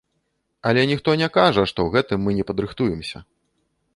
Але ніхто не кажа, што ў гэтым мы не падрыхтуемся.